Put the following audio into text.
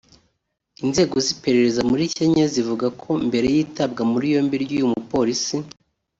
Inzego z’iperereza muri Kenya zivuga ko mbere y’itabwa muri yombi ry’uyu mupolisi